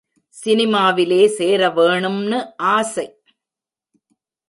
சினிமாவிலே சேரவேணும்னு ஆசை.